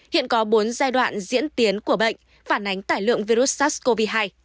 hiện có bốn giai đoạn diễn tiến của bệnh phản ánh tải lượng virus sars cov hai